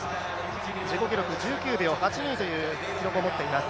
自己記録１９秒８２という記録を持っています。